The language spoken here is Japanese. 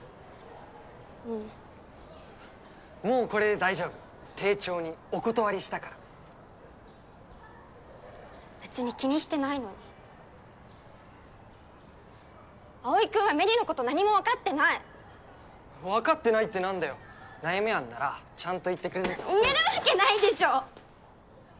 うんもうこれで大丈夫丁重にお断りしたから別に気にしてないのに葵君は芽李のこと何もわかってないわかってないってなんだよ悩みあんならちゃんと言ってくれないと言えるわけないでしょ